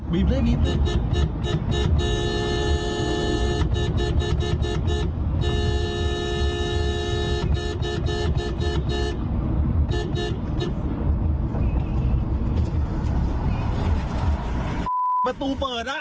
ประตูเปิดอ้าว